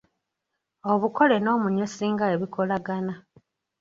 Obukole n’omunyusi nga bwe bikolagana